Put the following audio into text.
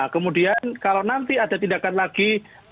kemudian kalau nanti ada tindakan lagi